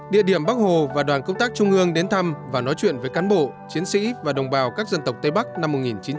địa điểm bắc hồ và đoàn công tác trung ương đến thăm và nói chuyện với cán bộ chiến sĩ và đồng bào các dân tộc tây bắc năm một nghìn chín trăm bảy mươi